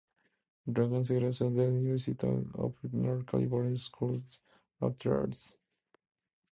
Regan se graduó del "University of North Carolina School of the Arts".